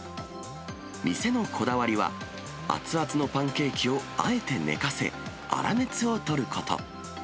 店のこだわりは、熱々のパンケーキをあえて寝かせ、粗熱を取ること。